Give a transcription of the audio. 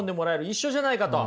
一緒じゃないかと。